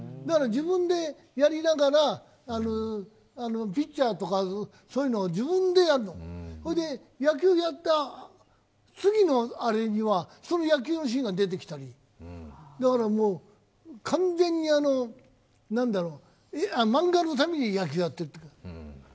だから自分でやりながらピッチャーとかそういうのを自分でやるの、それで野球をやった次のあれにはその野球のシーンが出てきたり、だからもう、完全に漫画のために野球やってる。